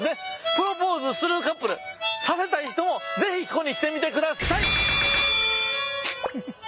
プロポーズするカップルさせたい人もぜひここに来てみてください。